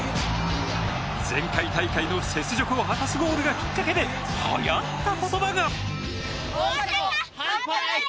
前回大会の雪辱を果たすゴールがきっかけではやった言葉が。